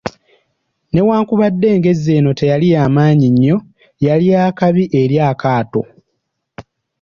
Newakubadde engezi eno teyali ya maanyi nnyo, yali ya kabi eri akaato.